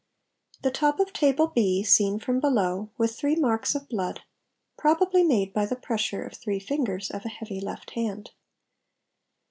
The top of the table B seen from below, with three marks of blood, probably made by the pressure of three fingers of a heavy left hand.